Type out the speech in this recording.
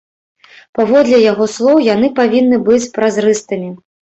Паводле яго слоў, яны павінны быць празрыстымі.